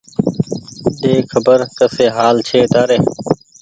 ۮي خبر ڪسي حآل ڇي تآري